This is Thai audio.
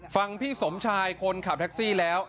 ฟังพี่สมชายคนขับแท็กซี่แล้ว